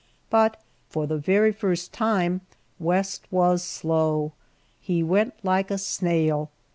But for the very first time West was slow he went like a snail.